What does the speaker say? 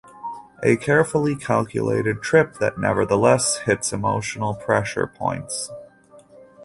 A carefully calculated trip that nevertheless hits emotional pressure points.